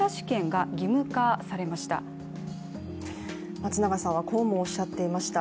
松永さんはこうもおっしゃっていました。